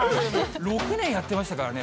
６年やってましたからね。